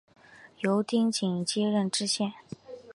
由丁谨接任知县。